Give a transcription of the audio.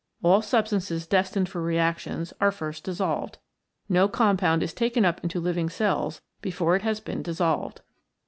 All substances destined for reactions are first dissolved. No compound is taken up into living cells before it has been dis solved.